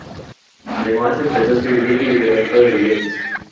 Además empezó ha escribir literatura de viajes.